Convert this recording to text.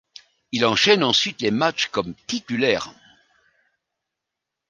Il enchaîne ensuite les matchs comme titulaire.